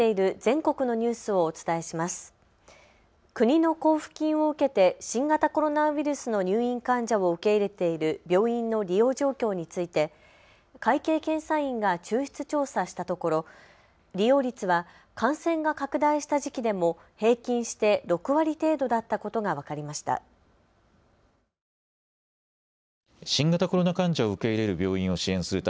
国の交付金を受けて新型コロナウイルスの入院患者を受け入れている病院の利用状況について会計検査院が抽出調査したところ利用率は感染が拡大した時期でも平均して６割程度だったことが分かりました。